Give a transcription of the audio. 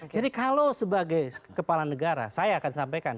jadi kalau sebagai kepala negara saya akan sampaikan